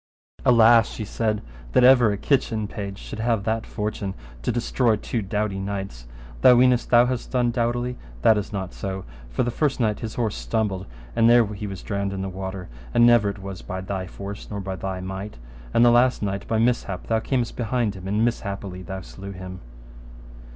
Alas, she said, that ever a kitchen page should have that fortune to destroy such two doughty knights: thou weenest thou hast done doughtily, that is not so; for the first knight his horse stumbled, and there he was drowned in the water, and never it was by thy force, nor by thy might. And the last knight by mishap thou camest behind him and mishappily thou slew him.